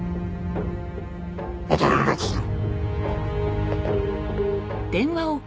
「また連絡する」